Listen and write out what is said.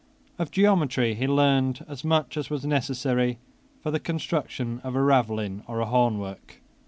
Of geometry he learned as much as was necessary for the construction of a ravelin or a hornwork.